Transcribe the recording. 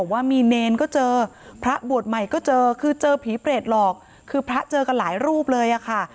ว่ามีเนรก็เจอพระบวชใหม่ก็เจอคือเจอผีเปรตหลอกคือพระเจอกันหลายรูปเลยอะค่ะ